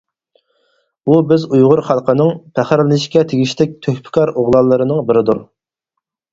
ئۇ بىز ئۇيغۇر خەلقىنىڭ پەخىرلىنىشكە تېگىشلىك تۆھپىكار ئوغلانلىرىنىڭ بىرىدۇر!